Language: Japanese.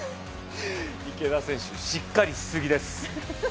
池田選手、しっかりしすぎです。